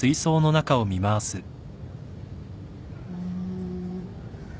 うん。